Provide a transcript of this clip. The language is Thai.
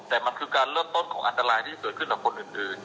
แต่มันคือการเริ่มต้นของอันตรายที่เกิดขึ้นกับคนอื่น